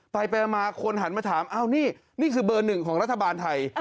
ไปไปมาคนหันมาถามนี่คือเบอร์๑ของรัฐบาลไทย